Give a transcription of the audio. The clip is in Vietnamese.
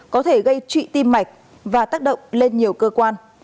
có thể gây trụy tim mạch và tác động lên nhiều cơ quan